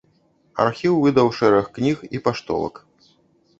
Архіў выдаў шэраг кніг і паштовак.